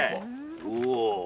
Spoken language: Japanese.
うわ。